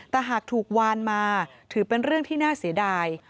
แต่หากถูกวานมาถือเป็นเรื่องที่น่าเสียดาย